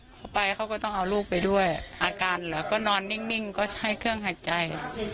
เขาไปเขาก็ต้องเอาลูกไปด้วยอาการเหรอก็นอนนิ่งก็ใช้เครื่องหายใจ